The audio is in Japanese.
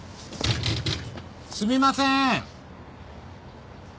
すみません。